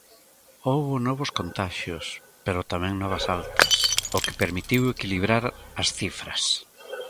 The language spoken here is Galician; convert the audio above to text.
Houbo novos contaxios, pero tamén nova altas, o que permitiu equilibrar as cifras.